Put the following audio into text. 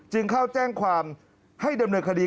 เข้าแจ้งความให้ดำเนินคดี